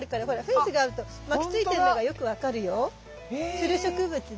つる植物で。